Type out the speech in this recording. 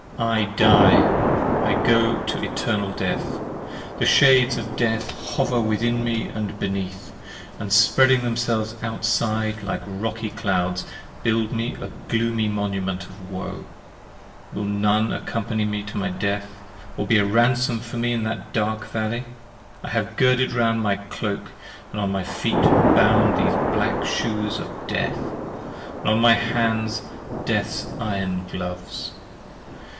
I die! I go to Eternal Death! the shades of death Hover within me & beneath, and spreading themselves outside Like rocky clouds, build me a gloomy monument of woe: Will none accompany me in my death? or be a Ransom for me 20 In that dark Valley? I have girded round my cloke, and on my feet Bound these black shoes of death, & on my hands, death's iron gloves.